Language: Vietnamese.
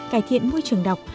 cải thiện môi trường đọc